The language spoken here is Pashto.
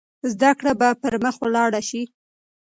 زده کړه به پرمخ ولاړه شي.